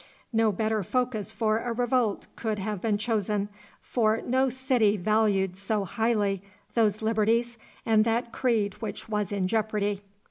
No better focus for a revolt could have been chosen, for no city valued so highly those liberties and that creed which was in jeopardy.